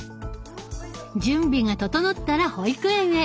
準備が整ったら保育園へ！